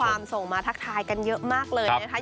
ข้อความส่งมาทักทายกันเยอะมากเลยนะคะครับ